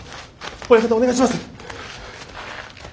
親方お願いします。